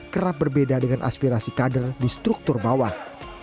kerap berbeda dengan aspirasi kader di struktur bawah